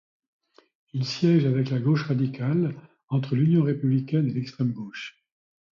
Il siège avec la gauche radicale, entre l’Union républicaine et l’extrême gauche.